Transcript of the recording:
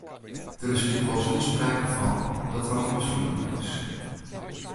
Der is lykwols gjin sprake fan dat der al in beslút nommen is.